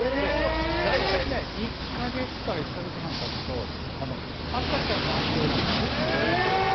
大体１か月から１か月半経つと赤ちゃんの足の裏みたいにツルツル。